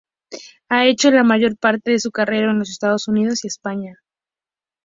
Ha hecho la mayor parte de su carrera en los Estados Unidos y España.